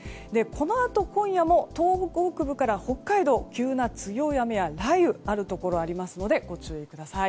このあと今夜も東北北部から北海道急な強い雨や雷雨があるところがありますのでご注意ください。